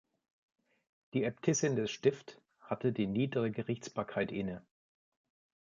Die Äbtissin des Stift hatte die Niedere Gerichtsbarkeit inne.